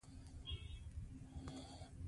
ماته یې هم وړاندې کړ.